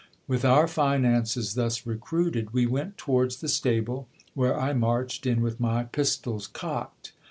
With our finances thus recruited, we went towards the stable, where I marched in with my pistols cocked.